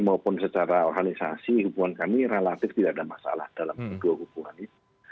maupun secara organisasi hubungan kami relatif tidak ada masalah dalam dua hubungan itu